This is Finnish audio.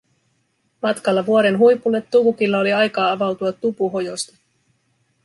Matkalla vuoren huipulle Tukukilla oli aikaa avautua Tupuhojosta.